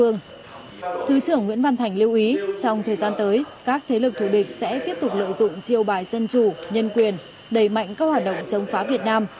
thứ trưởng nguyễn văn thành lưu ý trong thời gian tới các thế lực thủ địch sẽ tiếp tục lợi dụng chiêu bài dân chủ nhân quyền đẩy mạnh các hoạt động chống phá việt nam